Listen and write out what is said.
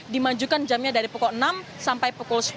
dimajukan jamnya dari pukul enam sampai pukul sepuluh